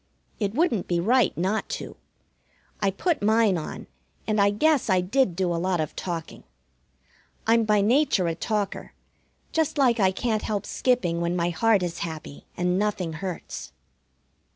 It wouldn't be right not to. I put mine on, and I guess I did do a lot of talking. I'm by nature a talker, just like I can't help skipping when my heart is happy and nothing hurts.